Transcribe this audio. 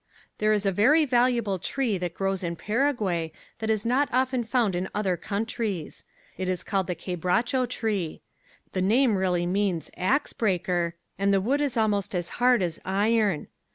There is a very valuable tree that grows in Paraguay that is not often found in other countries. It is called the quebracho tree. The name really means "ax breaker," and the wood is almost as hard as iron.